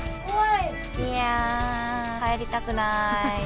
いや、帰りたくない。